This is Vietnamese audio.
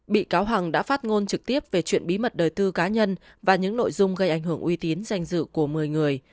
bị cáo hằng đã phát ngôn trực tiếp về chuyện bí mật đời tư cá nhân và những nội dung gây ảnh hưởng uy tín danh dự của một mươi người